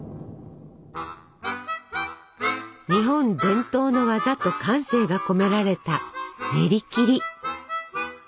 日本伝統の技と感性が込められたねりきり。